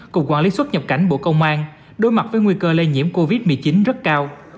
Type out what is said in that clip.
cục quản lý xuất nhập cảnh bộ công an đối mặt với nguy cơ lây nhiễm covid một mươi chín rất cao